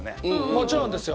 もちろんですよ。